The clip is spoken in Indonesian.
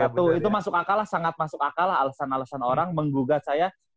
satu itu masuk akal lah sangat masuk akal lah alasan alasan orang menggugat saya